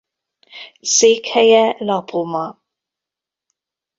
Székhelye La Poma.